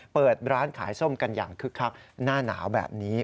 เปิดร้านขายส้มกันอย่างคึกคักหน้าหนาวแบบนี้